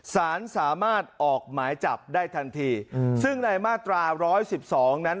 สารสามารถออกหมายจับได้ทันทีซึ่งในมาตราร้อยสิบสองนั้น